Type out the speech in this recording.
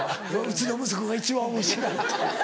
「うちの息子が一番おもしろい」。